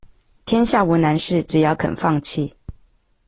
天下無難事，只要肯放棄